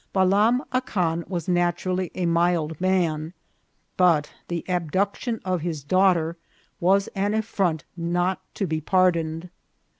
Balam Acan was naturally a mild man, but the abduction of his daughter was an affront not to be pardoned.